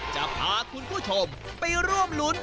จะพาคุณผู้ชมไปร่วมรุ้น